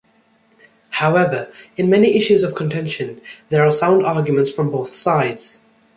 However, in many issues of contention, there are sound arguments from both sides.